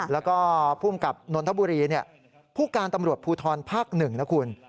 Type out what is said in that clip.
แล้วก็ภูมิกับนนทบุรีผู้การตำรวจภูทรภาค๑นะคุณ